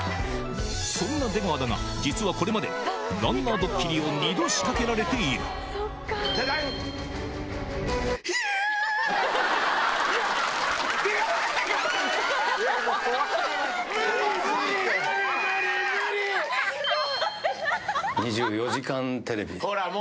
そんな出川だが、実はこれまで、ランナードッキリを２度仕掛けらじゃじゃん。